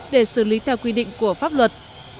để xử lý theo quy định của pháp luật